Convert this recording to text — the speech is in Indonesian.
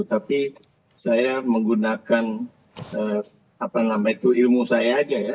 tapi saya menggunakan apa namanya itu ilmu saya aja ya